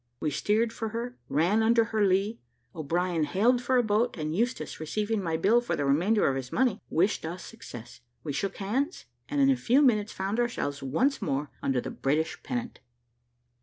We steered for her, ran under her lee, O'Brien hailed for a boat, and Eustache, receiving my bill for the remainder of his money, wished us success; we shook hands, and in a few minutes found ourselves once more under the British pennant.